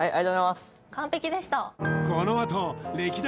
完璧でした